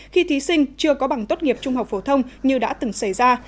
khi thí sinh chưa có bằng tốt nghiệp trung học phổ thông như đã từng xảy ra